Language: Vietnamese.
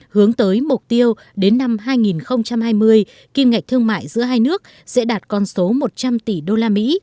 hướng tới mục tiêu đến năm hai nghìn hai mươi kim ngạch thương mại giữa hai nước sẽ đạt con số một trăm linh tỷ usd